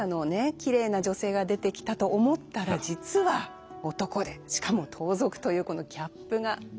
きれいな女性が出てきたと思ったら実は男でしかも盗賊というこのギャップが面白いですね。